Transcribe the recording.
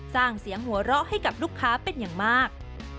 สร้างเสียงหัวเราะให้กับลูกค้าเป็นอย่างมาก